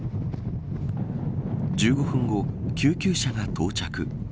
１５分後、救急車が到着。